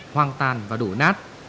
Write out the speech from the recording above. hoang tàn và đổ nát